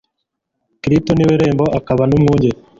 Krito ni we rembo akaba n'umwungeri.